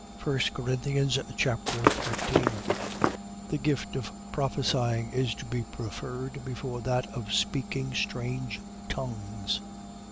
1 Corinthians Chapter 14 The gift of prophesying is to be preferred before that of speaking strange tongues.